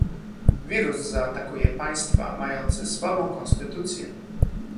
Wirus zaatakuje państwa mające słabą konstytucje